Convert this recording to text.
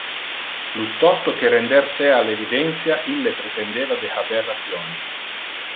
Plus tosto que render se al evidentia, ille pretendeva de haber ration.